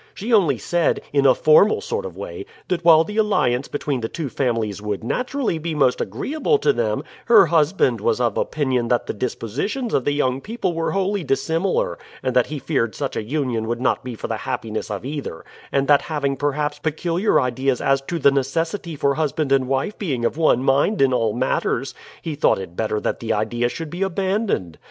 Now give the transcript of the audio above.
She only said, in a formal sort of way, that while the alliance between the two families would naturally be most agreeable to them, her husband was of opinion that the dispositions of the young people were wholly dissimilar, and that he feared such a union would not be for the happiness of either; and that having perhaps peculiar ideas as to the necessity for husband and wife being of one mind in all matters, he thought it better that the idea should be abandoned.